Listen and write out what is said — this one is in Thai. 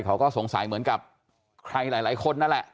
เขาก็สงสัยเหมือนกับใครหลายคนนั่นแหละ